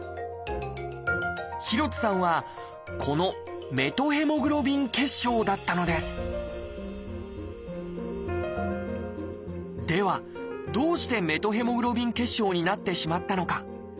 廣津さんはこの「メトヘモグロビン血症」だったのですではどうしてメトヘモグロビン血症になってしまったのか。